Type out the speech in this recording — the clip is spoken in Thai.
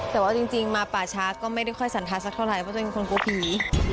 แต่ว่าจริงมาป่าชาติก็ไม่ได้ค่อยสันทัศน์สักเท่าไหร่เพราะตัวเองคงโกระพี